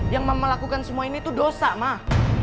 yang mama lakukan semua ini tuh dosa mah